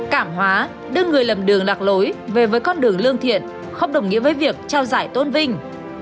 cảm hóa đưa người lầm đường lạc lối về với con đường lương thiện không đồng nghĩa với việc trao giải tôn vinh